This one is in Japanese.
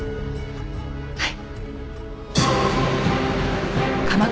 はい。